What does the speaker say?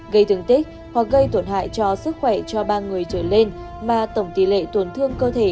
gây thương tích hoặc gây tổn hại cho sức khỏe cho ba người trở lên mà tổng tỷ lệ tổn thương cơ thể